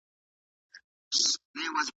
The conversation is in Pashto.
خطاطي يو ښکلی هنر دی.